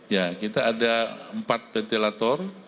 ya kita ada empat ventilator